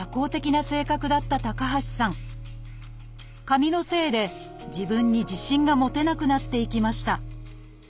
髪のせいで自分に自信が持てなくなっていきました